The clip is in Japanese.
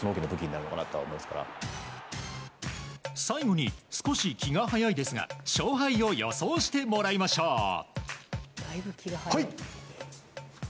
最後に少し気が早いですが勝敗を予想してもらいましょう。